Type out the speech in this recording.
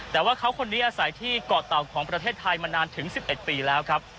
แต่ว่าเขาคนนี้อาศัยที่เกาะเต่าของประเทศไทยมานานถึง๑๑ปีแล้วครับ